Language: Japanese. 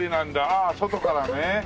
ああ外からね。